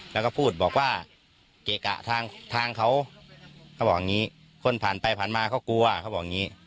แล้วก็พูดบอกว่าเกะกะทางเขาเขาบอกอย่างนี้คนผ่านไปผ่านมาเขากลัวเขาบอกอย่างนี้